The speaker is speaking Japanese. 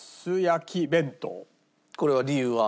これは理由は？